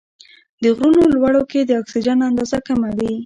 د غرونو لوړو کې د اکسیجن اندازه کمه وي.